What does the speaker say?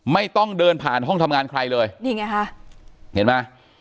ไม่ต้องเดินผ่านห้องทำงานใครเลยนี่ไงค่ะเห็นไหม